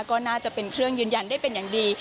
ก็น่าจะเป็นเครื่องยืนยันได้เป็นอย่างดี